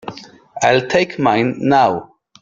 I'll take mine now.